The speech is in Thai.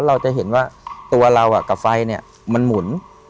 เพราะว่าตัวเรากับไฟมันหมุน